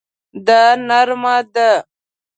دا نرمه ده